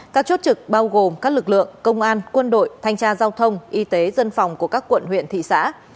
các chốt trực bao gồm các lực lượng công an quân đội thanh tra giao thông y tế dân phòng của các quận huyện thị xã